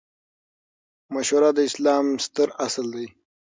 مشوره د اسلام ستر اصل دئ.